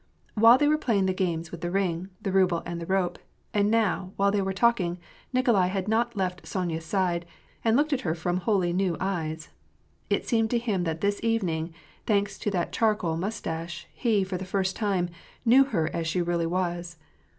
While they were playing the games with the ring, the ruble, and the rope, and now, while they were talking, Nikolai had not left Sonya's side, and looked at her from wholly new eyes. It seemed to him that this evening, thanks to that charcoal mustache, he, for the first time, knew her as she really was.